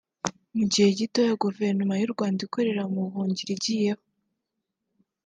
Mu gihe gitoya Guverinoma y’u Rwanda ikorera mu buhungiro igiyeho